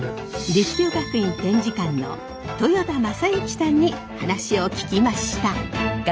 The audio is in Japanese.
立教学院展示館の豊田雅幸さんに話を聞きました。